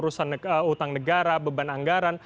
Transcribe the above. skeptis terkait dengan soal urusan utang negara beban anggaran